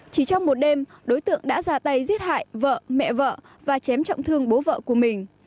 chỉ trong một đêm đối tượng đã ra tay giết hại vợ mẹ vợ và chém trọng thương bố vợ của mình